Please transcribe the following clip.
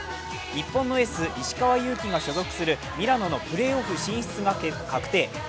日本のエース・石川祐希が所属するミラノのプレーオフ進出が確定。